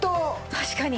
確かに。